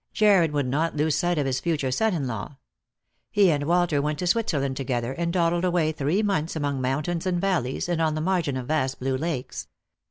Jarred would not lose sight of his future son in law. He and Walter went to Switzerland together, and dawdled away three months among mountains and valleys, and on the margin of vast blue lakes.